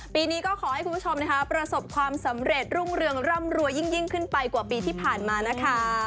ปีนี้ก็ขอให้คุณผู้ชมนะคะประสบความสำเร็จรุ่งเรืองร่ำรวยยิ่งขึ้นไปกว่าปีที่ผ่านมานะคะ